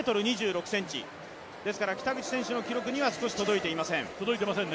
ですから北口選手の記録には少し届いていません。